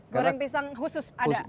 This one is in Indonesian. goreng pisang khusus ada